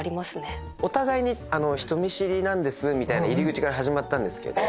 お互いに人見知りなんですみたいな入り口から始まったんですけど。